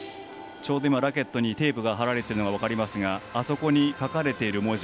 ちょうどラケットにテープが貼られているのが分かりますがあそこに書かれている文字